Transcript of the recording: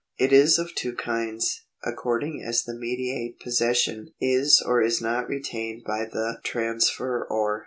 It is of two kinds, according as the mediate possession is or is not retained by the transferor.